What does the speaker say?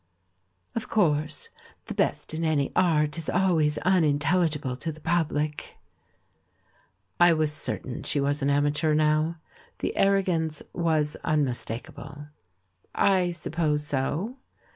"Of course, the best in any art is always un intelligible to the Public." I was certain she was an amateur now, the arrogance was unmistakable. "I suppose so."